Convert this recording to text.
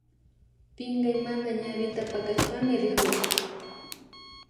Pinkaymanta ñawita pakashpami rikurka